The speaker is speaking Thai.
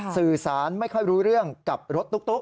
สื่อสารไม่ค่อยรู้เรื่องกับรถตุ๊ก